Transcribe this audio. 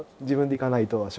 自分で行かないと。